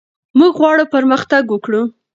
موږ غواړو پرمختګ وکړو.